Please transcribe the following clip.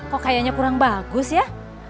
kok kayaknya kurang bagus ya